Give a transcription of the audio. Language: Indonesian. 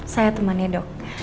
saya temannya dok